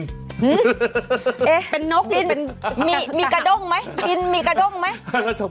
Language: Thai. เป็นนกหรือเป็นมีกระด้งไหมบินมีกระด้งไหม